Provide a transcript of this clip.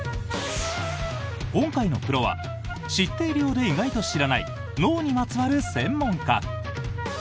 今回のプロは知っているようで意外と知らない脳にまつわる専門家。